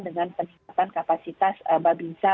dengan peningkatan kapasitas babinsa